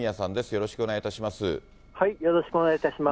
よろしくおよろしくお願いいたします。